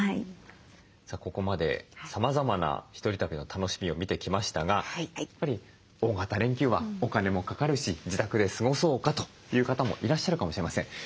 さあここまでさまざまな１人旅の楽しみを見てきましたがやっぱり大型連休はお金もかかるし自宅で過ごそうかという方もいらっしゃるかもしれません。